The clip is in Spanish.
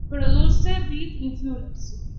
Produced by Infernus.